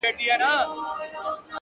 اې د دوو سترگو ښايسته قدم اخله!